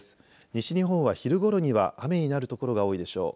西日本は昼ごろには雨になる所が多いでしょう。